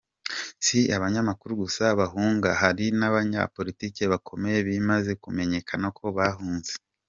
Si abanyamakuru gusa bahunga, hari n’abanyapolitike bakomeye bimaze kumenyekana ko bahunze.